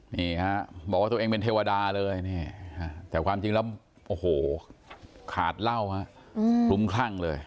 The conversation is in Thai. นี่ฮะบอกว่าตัวเองเป็นเทวดาเลยแต่ความจริงแล้วโอ้โหขาดเหล้าฮะคลุ้มคลั่งเลย